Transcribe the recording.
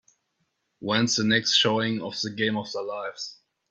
Whens the next showing of The Game of Their Lives